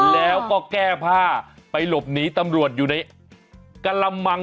แล้วก็แก้ผ้าไปหลบหนีตำรวจอยู่ในกระมัง